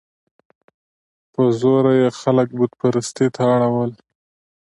په زوره یې خلک بت پرستۍ ته اړول.